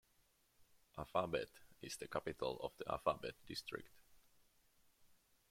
Afabet is the capital of the Afabet district.